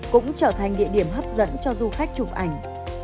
cũng trở thành địa điểm hấp dẫn cho du khách chụp ảnh